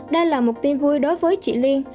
đây là một tin vui đối với chị liên